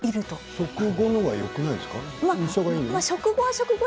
食後の方がよくないですか。